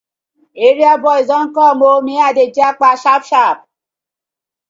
Area boys dey com ooo, me I dey jappa sharp sharp.